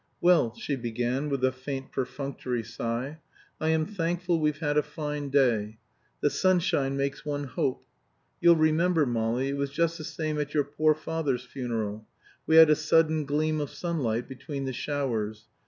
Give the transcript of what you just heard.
"Well," she began with a faint perfunctory sigh, "I am thankful we've had a fine day. The sunshine makes one hope. You'll remember, Molly, it was just the same at your poor father's funeral. We had a sudden gleam of sunlight between the showers.